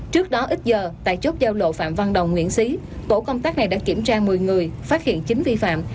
trước đó ít giờ tại chốt giao lộ phạm văn đồng nguyễn xí tổ công tác này đã kiểm tra một mươi người phát hiện chín vi phạm